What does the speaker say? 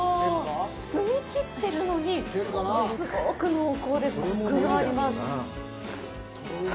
澄み切ってるのに物すごく濃厚でコクがあります。